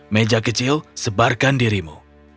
meja kecil sebarkan dirimu